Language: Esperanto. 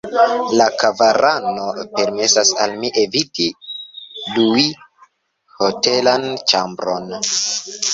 La karavano permesas al mi eviti lui hotelan ĉambron.